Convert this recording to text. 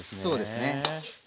そうですね。